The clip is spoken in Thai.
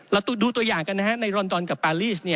แล้วดูตัวอย่างกันนะครับในรอนดอนกับปารีส